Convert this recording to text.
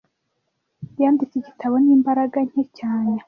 Yanditse igitabo n'imbaraga nke cyane.